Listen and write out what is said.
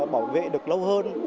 bảo vệ được lâu hơn